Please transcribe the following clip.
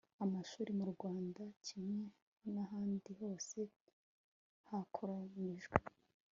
amashuri mu rwanda kimwe n'ahandi hose hakolonijwe